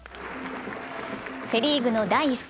セ・リーグの第１戦。